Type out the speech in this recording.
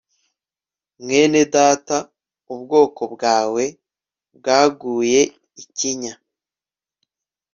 mwenedata, ubwonko bwawe bwaguye ikinya